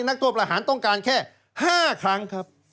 นักโทษประหารต้องการแค่๕ครั้งครับ